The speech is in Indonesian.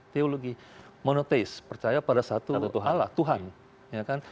teologi monotheis percaya pada satu allah tuhan